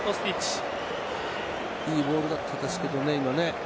いいボールだったですけどね。